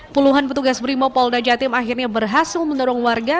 puluhan petugas brimopolda jatim akhirnya berhasil mendorong warga